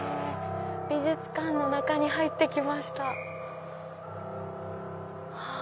美術館の中に入って来ました。